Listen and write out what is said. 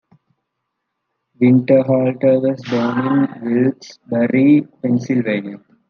Winterhalter was born in Wilkes-Barre, Pennsylvania.